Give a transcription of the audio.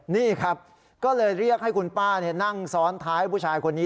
นี่ครับก็เลยเรียกให้คุณป้านั่งซ้อนท้ายผู้ชายคนนี้